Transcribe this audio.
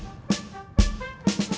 mata tempat tidak semua nyi